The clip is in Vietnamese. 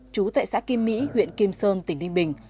chú tại xã kim mỹ huyện kim sơn tỉnh đinh bình